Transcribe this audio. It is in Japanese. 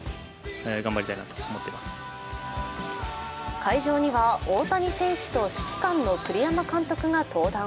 会場には、大谷選手と指揮官の栗山監督が登壇。